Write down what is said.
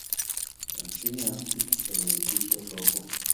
En Fine Artist, es el edificio rojo.